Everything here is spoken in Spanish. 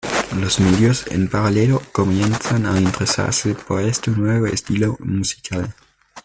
Los medios, en paralelo, comienzan a interesarse por este nuevo estilo musical.